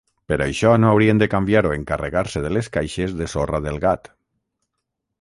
Per això no haurien de canviar o encarregar-se de les caixes de sorra del gat.